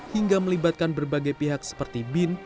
hingga melibatkan berbagai pihak seperti bin